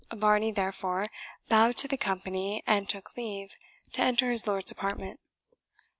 Varney, therefore, bowed to the company, and took leave, to enter his lord's apartment.